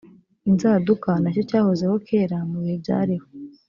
inzaduka na cyo cyahozeho kera mu bihe byariho